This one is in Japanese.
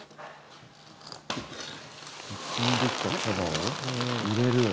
摘んできた茶葉を入れる。